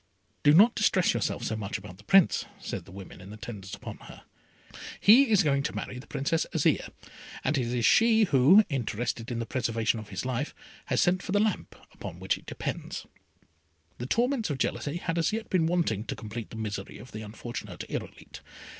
"Do not distress yourself so much about the Prince," said the women in attendance upon her, "he is going to marry the Princess Azire, and it is she who, interested in the preservation of his life, has sent for the lamp on which it depends." The torments of jealousy had as yet been wanting, to complete the misery of the unfortunate Irolite.